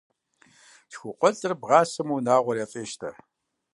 ЛъхукъуэлӀыр бгъаӀэсмэ, унагъуэр яфӀещтэ.